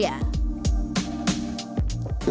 yang disediakan pemerintah kota surabaya